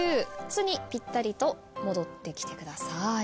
「つ」にぴったりと戻ってきてください。